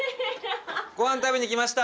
ごはん食べに来ました。